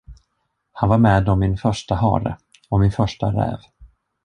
Han var med om min första hare och min första räv.